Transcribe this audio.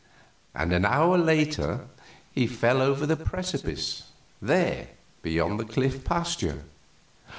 "And an hour later he fell over the precipice there beyond the Cliff Pasture."